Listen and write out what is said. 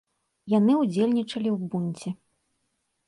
Яны ўдзельнічалі ў бунце.